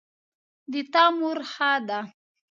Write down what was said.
د تا مور ښه ده